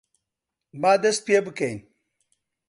با دەست پێ بکەین!